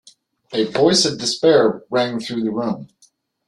A voice of despair rang through the room.